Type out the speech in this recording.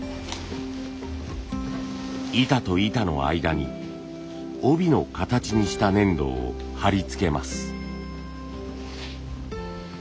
板と板の間に帯の形にした粘土を貼り付けます。